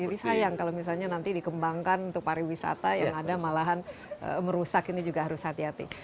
jadi sayang kalau misalnya nanti dikembangkan untuk pariwisata yang ada malahan merusak ini juga harus hati hati